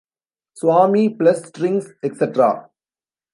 Swami - Plus Strings, Etc.